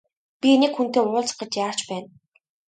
Би нэг хүнтэй уулзах гэж яарч байна.